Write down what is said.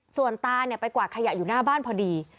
ส่วนตาไปกวาดขยะอยู่หน้าบ้านพอดี